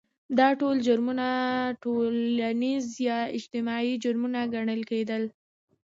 دا ټول جرمونه ټولنیز یا اجتماعي جرمونه ګڼل کېدل.